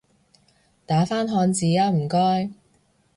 打返漢字吖唔該